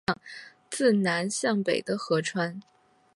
它是美国少数流向自南向北的河川。